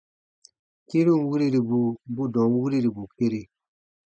Kĩrun wiriribu bu dɔ̃ɔn wirirbu kere.